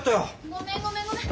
ごめんごめんごめん！